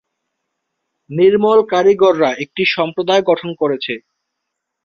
নির্মল কারিগররা একটি সম্প্রদায় গঠন করেছে।